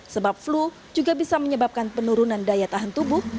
sebab flu juga bisa menyebabkan penurunan daya tahan tubuh